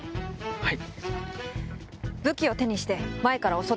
はい。